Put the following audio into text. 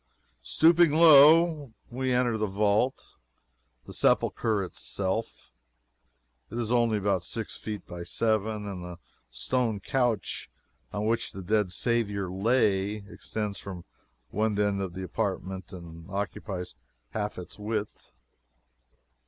Stooping low, we enter the vault the Sepulchre itself. It is only about six feet by seven, and the stone couch on which the dead Saviour lay extends from end to end of the apartment and occupies half its width.